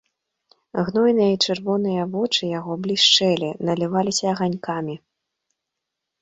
Гнойныя і чырвоныя вочы яго блішчэлі, наліваліся аганькамі.